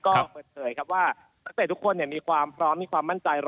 ก็เปิดเผยครับว่านักเตะทุกคนมีความพร้อมมีความมั่นใจ